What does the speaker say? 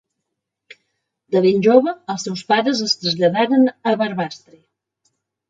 De ben jove els seus pares es traslladaren a Barbastre.